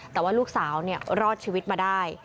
แต่ว่าลูกสาวรอดชีวิตมาได้